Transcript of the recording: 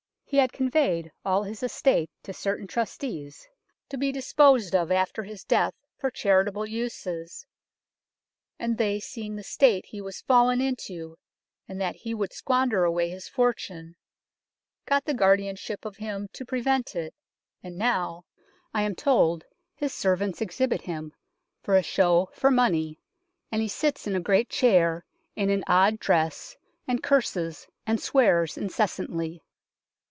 He had conveyed all his Estate to certain Trustees to be disposed of after his death for charitable uses, and they seeing the State he was fallen into and that he would squander away his fortune, gott the guardian ship of him to prevent it, and now, I am told, his servants exhibit him for a show for Money and he sitts in a great chair in an odd dress and curses and swears incessantly.